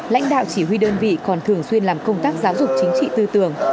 lãnh đạo chỉ huy đơn vị còn thường xuyên làm công tác giáo dục chính trị tư tưởng